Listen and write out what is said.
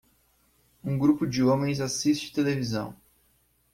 Um grupo de homens assiste televisão.